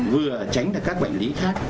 vừa tránh được các bệnh lý khác